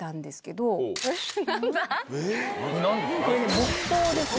木刀ですね。